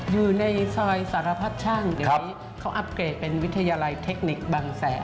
อยู่ในซอยสารพัดช่างเดี๋ยวนี้เขาอัปเกตเป็นวิทยาลัยเทคนิคบางแสน